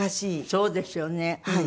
そうですよねうん。